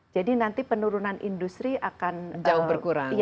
jadi nanti penurunan industri akan jauh berkurang